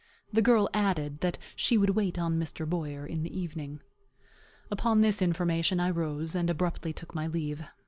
The girl added that she would wait on Mr. Boyer in the evening. Upon this information I rose, and abruptly took my leave.